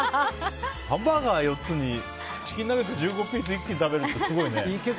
ハンバーガー４つにチキンナゲット１５ピース一気に食べるってすごいね。